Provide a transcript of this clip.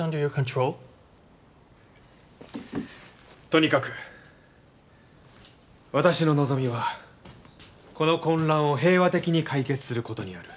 とにかく私の望みはこの混乱を平和的に解決することにある。